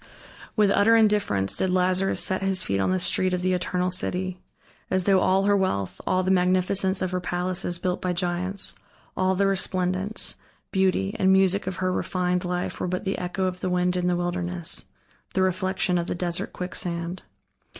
With utter indifference did Lazarus set his feet on the street of the eternal city. As though all her wealth, all the magnificence of her palaces built by giants, all the resplendence, beauty, and music of her refined life were but the echo of the wind in the wilderness, the reflection of the desert quicksand.